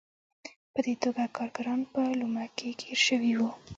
په دې توګه کارګران په لومه کې ګیر شوي وو.